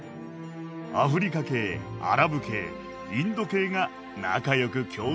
アフリカ系アラブ系インド系が仲良く共存している。